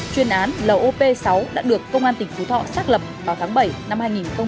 chuyên án lop sáu đã được công an tỉnh phú thỏ xác lập vào tháng bảy năm hai nghìn một mươi bảy